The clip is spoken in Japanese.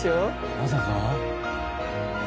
まさか？